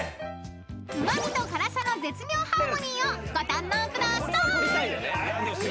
［うま味と辛さの絶妙ハーモニーをご堪能ください］